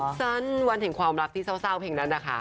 สุขสันต์วันถึงความรักที่เศร้าเพลงนั้นนะคะ